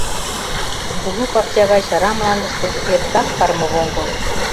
Кужу пакча гай чара мландыште — эртак кармывоҥго.